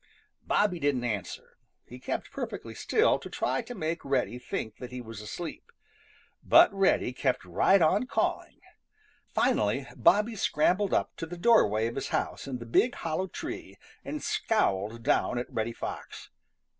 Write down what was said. Bobby didn't answer. He kept perfectly still to try to make Reddy think that he was asleep. But Reddy kept right on calling. Finally Bobby scrambled up to the doorway of his house in the big hollow tree and scowled down at Reddy Fox.